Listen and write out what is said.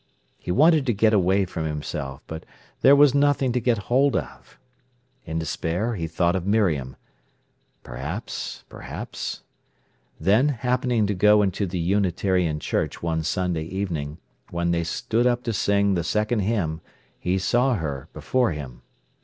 He wanted to get away from himself, but there was nothing to get hold of. In despair he thought of Miriam. Perhaps—perhaps—? Then, happening to go into the Unitarian Church one Sunday evening, when they stood up to sing the second hymn he saw her before him.